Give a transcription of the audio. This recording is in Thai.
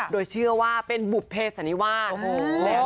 โดยเชื่อว่าเป็นบุปเผชษที่ว่าก